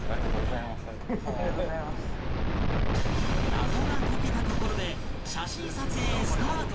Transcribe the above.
謎が解けたところで写真撮影スタート